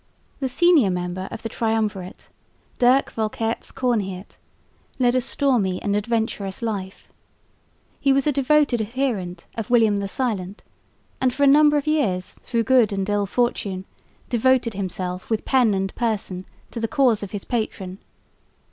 The senior member of the triumvirate, Dirk Volkertz Coornheert, led a stormy and adventurous life. He was a devoted adherent of William the Silent and for a series of years, through good and ill fortune, devoted himself with pen and person to the cause of his patron.